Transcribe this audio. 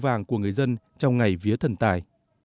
giá vàng của người dân trong ngày vía thần tài